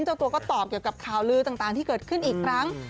เจ้าตัวก็ตอบเกี่ยวกับข่าวลือต่างที่เกิดขึ้นอีกครั้ง